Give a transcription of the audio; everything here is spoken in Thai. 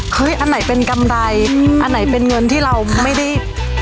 อันไหนเป็นกำไรอันไหนเป็นเงินที่เราไม่ได้